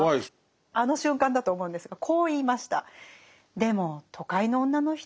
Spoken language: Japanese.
あの瞬間だと思うんですがこう言いました。